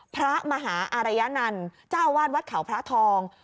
พระมหาอารยนันต์เจ้าอาวาสวัดเขาพระทอง